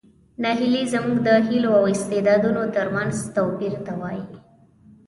ناهیلي زموږ د هیلو او استعدادونو ترمنځ توپیر ته وایي.